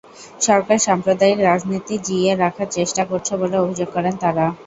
সরকার সাম্প্রদায়িক রাজনীতি জিইয়ে রাখার চেষ্টা করছে বলে অভিযোগ করেন তাঁরা।